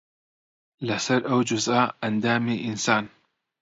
لەسەر ئەو جوزئە ئەندامی ئینسان